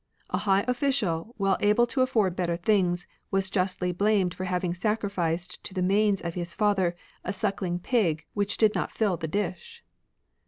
A high oflficial, well able to afford better things, was justly blamed for having sacrificed to the manes of his father a sucking pig which did not fill the dish.